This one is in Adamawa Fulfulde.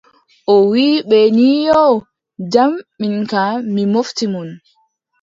O wiʼi ɓe ni yoo , jam min kam mi mofti mon.